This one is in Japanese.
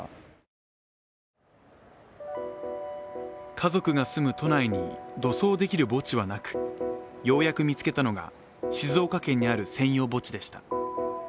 家族が住む都内に土葬できる墓地はなく、ようやく見つけたのが静岡県にある専用墓地でした。